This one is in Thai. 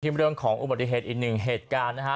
เรื่องของอุบัติเหตุอีกหนึ่งเหตุการณ์นะฮะ